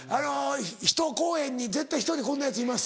ひと公演に絶対１人こんなヤツいます。